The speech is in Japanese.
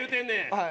はい。